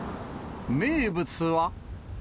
名物は。